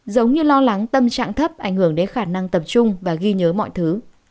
giống như lo lắng tâm trạng thấp ảnh hưởng đến khả năng tập trung và ghi nhớ mọi thứ